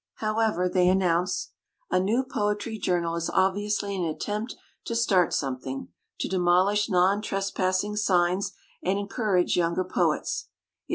However, they announce: A new poetry Journal is obviously an at tempt to start something — to demolish non trespassing signs and encourage younger poets.